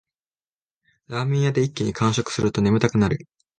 ラーメン屋で一気に完食すると眠たくなる